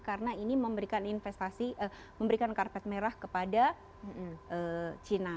karena ini memberikan investasi memberikan karpet merah kepada cina